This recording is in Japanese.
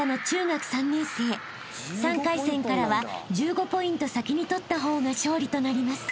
［３回戦からは１５ポイント先に取った方が勝利となります］